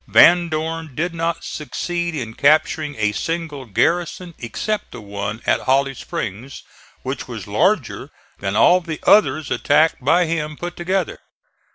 Van Dorn did not succeed in capturing a single garrison except the one at Holly Springs, which was larger than all the others attacked by him put together.